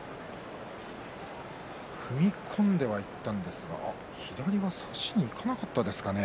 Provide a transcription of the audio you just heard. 踏み込んではいったんですが左は差しにいかなかったですかね。